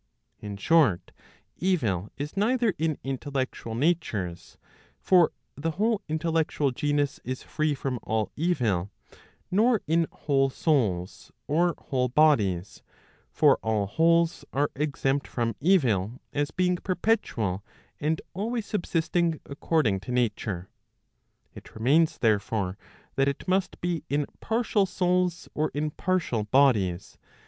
In short, evil is neither in intellectual natures ; for the whole intellectual genus is free from all evil; nor in whole souls, or whole bodies; for all wholes are exempt from evil, as being perpetual, and always subsisting according to nature. It remains therefore, that it must be in partial souls, or in partial bodies.